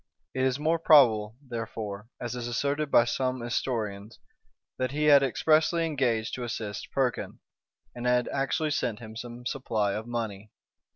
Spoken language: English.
It is more probable, therefore, as is asserted by some historians, that he had expressly engaged to assist Perkin, and had actually sent him some supply of money.